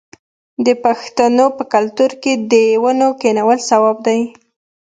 د پښتنو په کلتور کې د ونو کینول ثواب دی.